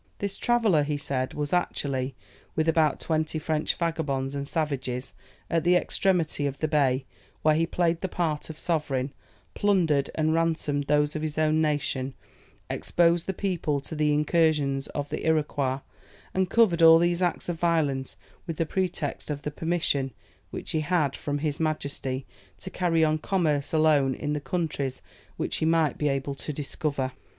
"This traveller," he said "was actually, with about twenty French vagabonds and savages, at the extremity of the bay, where he played the part of sovereign, plundered and ransomed those of his own nation, exposed the people to the incursions of the Iroquois, and covered all these acts of violence with the pretext of the permission, which he had from His Majesty, to carry on commerce alone in the countries which he might be able to discover."